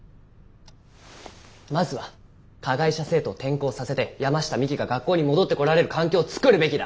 まずは加害者生徒を転校させて山下未希が学校に戻ってこられる環境を作るべきだ。